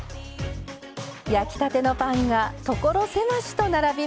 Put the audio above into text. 焼きたてのパンが所狭しと並びます。